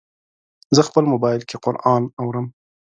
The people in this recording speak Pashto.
زه خپل موبایل کې قرآن اورم.